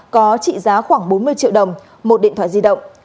có trị giá khoảng bốn mươi triệu đồng một điện thoại di động